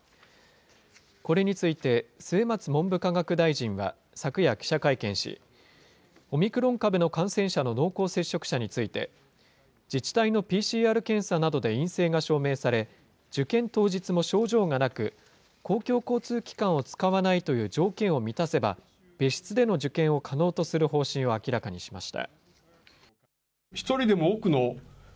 これについて、末松文部科学大臣は昨夜、記者会見し、オミクロン株の感染者の濃厚接触者について、自治体のＰＣＲ検査などで陰性が証明され、受験当日も症状がなく、公共交通機関を使わないという条件を満たせば、別室での受験を可能とする方針を明らかにしました。